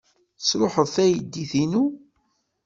Sṛuḥeɣ taydit-inu.